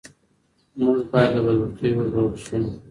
موږ باید له بدبختیو وژغورل سو.